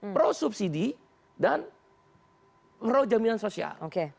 pro subsidi dan pro jaminan sosial